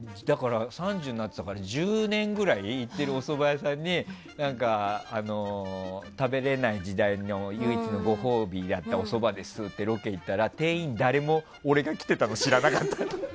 ３０になっていたから１０年ぐらい行っているおそば屋さんに食べれない時代の唯一のご褒美だったおそばですってロケに行ったら、店員が誰も俺が来ていたの知らなかったの。